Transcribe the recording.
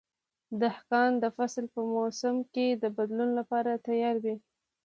دهقان د فصل په موسم کې د بدلون لپاره تیار وي.